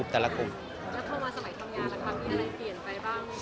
แล้วเข้ามาสมัยทำงานแล้วค่ะมีอะไรเปลี่ยนไปบ้าง